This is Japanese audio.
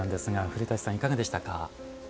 古舘さん、いかがでしたか？